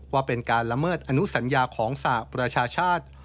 ว่าเป็นการละเมิดอนุสัญญาของสหประชาชาติ